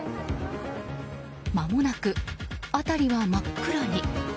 まもなく辺りは真っ暗に。